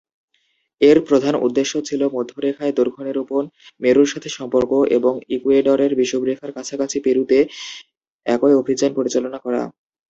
এর প্রধান উদ্দেশ্য ছিল মধ্যরেখায় দৈর্ঘ্য নিরূপণ, মেরুর সাথে সম্পর্ক এবং ইকুয়েডরের বিষুবরেখার কাছাকাছি পেরুতে একই অভিযান পরিচালনা করা।